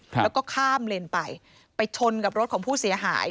แล้วก็ข้ามเลนไปไปชนกับรถของผู้เสียหาย